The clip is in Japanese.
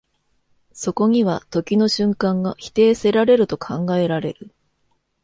そこには時の瞬間が否定せられると考えられる。